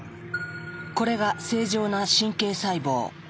これが正常な神経細胞。